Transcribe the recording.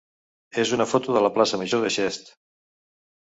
és una foto de la plaça major de Xest.